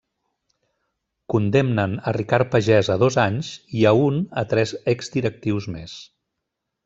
Condemnen a Ricard Pagès a dos anys, i a un a tres exdirectius més.